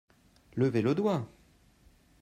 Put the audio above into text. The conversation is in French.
Levez le doigt !